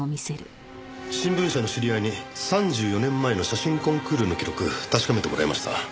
新聞社の知り合いに３４年前の写真コンクールの記録確かめてもらいました。